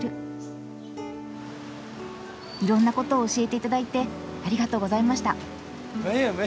いろんなことを教えて頂いてありがとうございました。